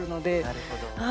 なるほど。